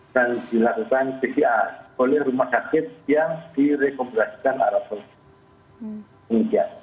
dan dilakukan pcr oleh rumah sakit yang direkomendasikan arab saudi